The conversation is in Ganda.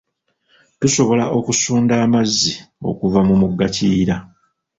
Tusobola okusunda amazzi okuva mu mugga kiyiira.